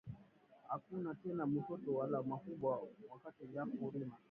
Akuna tena mutoto wala mukubwa wakati yaku rima